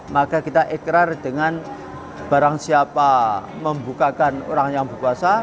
maka kita ikrar dengan barang siapa membukakan orang yang berpuasa